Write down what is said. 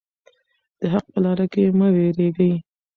د حق په لاره کې مه ویریږئ.